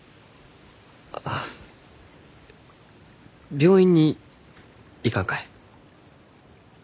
病院に行かんかえ？